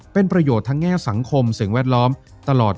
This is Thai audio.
เป็นประโยชน์ทั้งแง่สังคมสิ่งแวดล้อมตลอด